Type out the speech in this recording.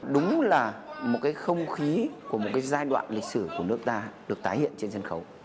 đúng là một cái không khí của một cái giai đoạn lịch sử của nước ta được tái hiện trên sân khấu